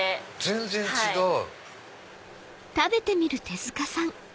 全然違う。